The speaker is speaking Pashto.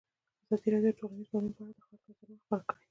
ازادي راډیو د ټولنیز بدلون په اړه د خلکو نظرونه خپاره کړي.